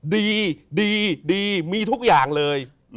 ดีดีมีทุกอย่างเลย